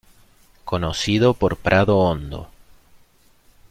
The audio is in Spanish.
Conocido por Prado Hondo.